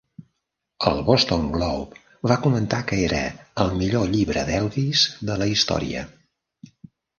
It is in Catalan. El "Boston Globe" va comentar que era "el millor llibre d'Elvis de la història.